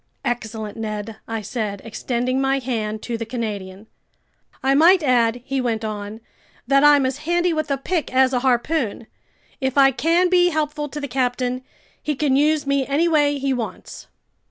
"Excellent, Ned," I said, extending my hand to the Canadian. "I might add," he went on, "that I'm as handy with a pick as a harpoon. If I can be helpful to the captain, he can use me any way he wants."